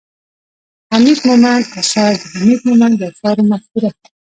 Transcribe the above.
،حميد مومند اثار، د حميد مومند د اشعارو مفکوره